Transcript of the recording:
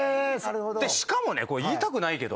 しかも言いたくないけど。